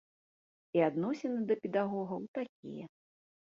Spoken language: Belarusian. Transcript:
І адносіны да педагогаў такія.